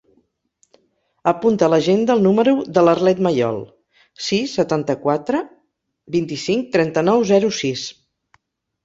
Apunta a l'agenda el número de l'Arlet Mayol: sis, setanta-quatre, vint-i-cinc, trenta-nou, zero, sis.